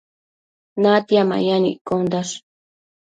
natia mayan iccondash